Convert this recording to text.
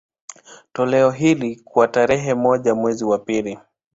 Toleo hili, kwa tarehe moja mwezi wa pili